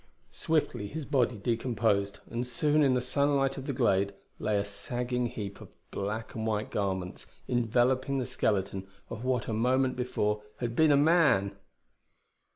Swiftly his body decomposed; and soon in the sunlight of the glade lay a sagging heap of black and white garments enveloping the skeleton of what a moment before had been a man!